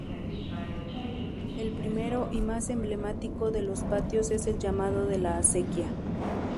El primero –y más emblemático– de los patios es el llamado de la Acequia.